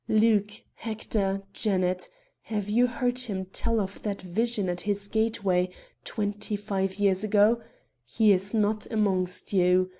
Luke, Hector, Janet, have you heard him tell of that vision at his gateway, twenty five years ago? He is not amongst you.